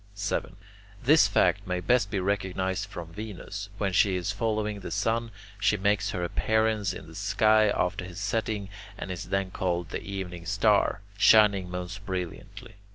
7. This fact may best be recognized from Venus. When she is following the sun, she makes her appearance in the sky after his setting, and is then called the Evening Star, shining most brilliantly.